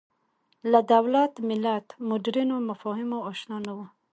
له دولت ملت مډرنو مفاهیمو اشنا نه وو